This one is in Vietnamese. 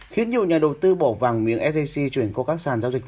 khiến nhiều nhà đầu tư bỏ vàng miếng sgc chuyển qua các sàn giao dịch